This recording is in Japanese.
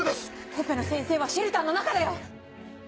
オペの先生はシェルターの中だよ！